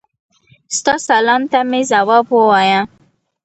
ستا سلام ته مي ځواب ووایه.